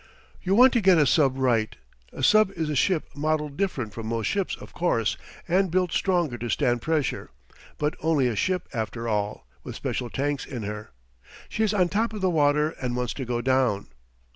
"You want to get a sub right. A sub is a ship modelled different from most ships, of course, and built stronger to stand pressure, but only a ship, after all, with special tanks in her. She's on top of the water and wants to go down.